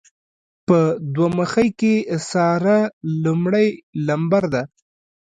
په دوه مخۍ کې ساره لمړی لمبر ده.